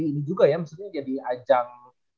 ini juga ya maksudnya jadi ajang